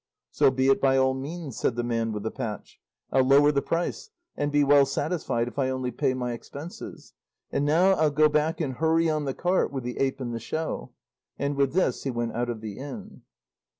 "So be it by all means," said the man with the patch; "I'll lower the price, and be well satisfied if I only pay my expenses; and now I'll go back and hurry on the cart with the ape and the show;" and with this he went out of the inn.